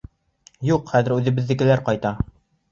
— Юҡ, хәҙер үҙебеҙҙекеләр ҡайта.